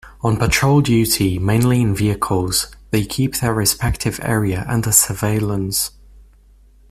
On patrol duty, mainly in vehicles, they keep their respective area under surveillance.